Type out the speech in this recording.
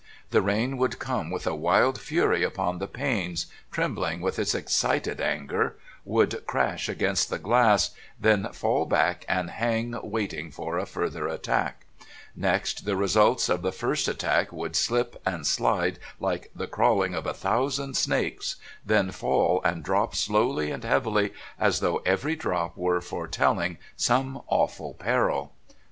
The rain would come with a wild fury upon the panes, trembling with its excited anger, would crash against the glass, then fall back and hang waiting for a further attack; next the results of the first attack would slip and slide like the crawling of a thousand snakes, then fall and drop slowly and heavily as though every drop were foretelling some awful peril.